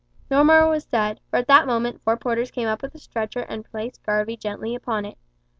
No more was said, for at that moment four porters came up with a stretcher and placed Garvie gently upon it.